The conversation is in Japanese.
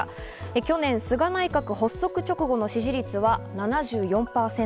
去年、菅内閣発足直後の支持率は７４％。